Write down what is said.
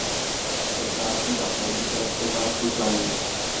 کرتارپور راہداری کا افتتاح خوش آئند